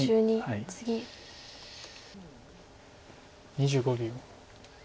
２５秒。